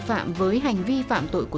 thúy cảm xúc